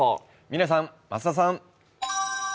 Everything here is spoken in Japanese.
嶺さん、増田さん。